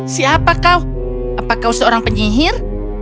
siapa kau apa kau seorang penyihir